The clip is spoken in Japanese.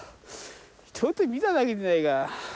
ちょっと見ただけじゃないか。